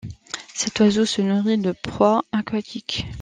Cet oiseau se nourrit de proies aquatiques.